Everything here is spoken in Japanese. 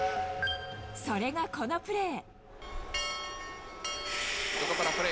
それがこのプレー。